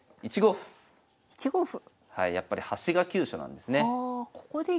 やっぱり端が急所なんですね。